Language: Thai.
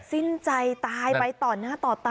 สิ้นใจตายไปต่อหน้าต่อตา